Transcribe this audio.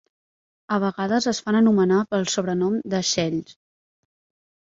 A vegades es fan anomenar pel sobrenom The Shells.